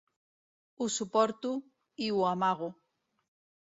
Ho suporto, i ho amago.